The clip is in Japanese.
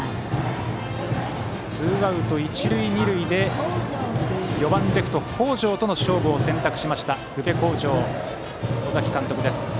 ツーアウト一塁二塁で４番レフト、北條との勝負を選択しました宇部鴻城、尾崎監督です。